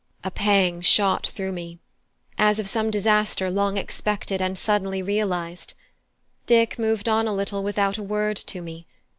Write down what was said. A pang shot through me, as of some disaster long expected and suddenly realised. Dick moved on a little without a word to me.